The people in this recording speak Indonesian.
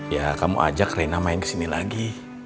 ya kamu ajak rena main kesini lagi